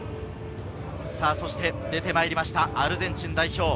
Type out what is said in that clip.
そして出てまいりました、アルゼンチン代表。